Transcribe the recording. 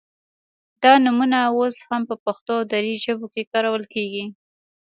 دا نومونه اوس هم په پښتو او دري ژبو کې کارول کیږي